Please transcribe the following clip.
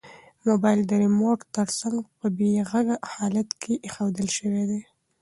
موبایل د ریموټ تر څنګ په بې غږه حالت کې ایښودل شوی دی.